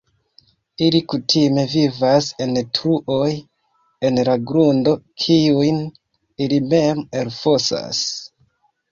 Ili kutime vivas en truoj en la grundo kiujn ili mem elfosas.